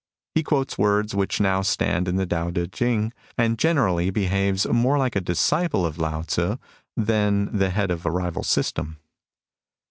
He quotes words which now stand in the Too T4 Ching, and generally behaves more like a disciple of Lao Tzu than as the head of a rival system.